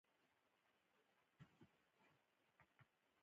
لا هم هماغسې خړ ګردونه پورته کېږي.